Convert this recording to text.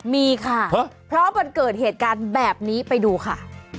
มีค่ะเพราะมันเกิดเหตุการณ์แบบนี้ไปดูค่ะ